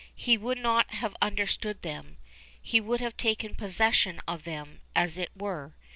He would not have understood them. He would have taken possession of them, as it were.